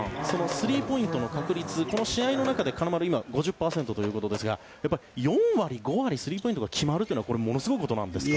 スリーポイントの確率この試合の中で金丸は５０％ですが４割５割スリーポイントが決まるというのはものすごいことなんですか？